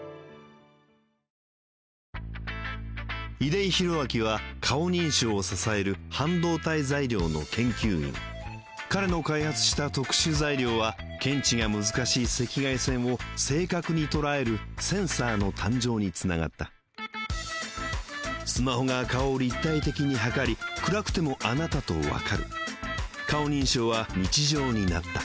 出井宏明は顔認証を支える半導体材料の研究員彼の開発した特殊材料は検知が難しい赤外線を正確に捉えるセンサーの誕生につながったスマホが顔を立体的に測り暗くてもあなたとわかる顔認証は日常になった